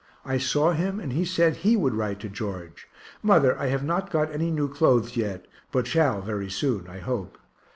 I saw him, and he said he would write to George. Mother, I have not got any new clothes yet, but shall very soon I hope.